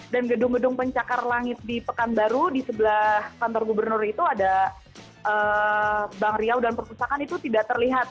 dan gedung gedung pencakar langit di pekanbaru di sebelah kantor gubernur itu ada bang riau dan perpusakan itu tidak terlihat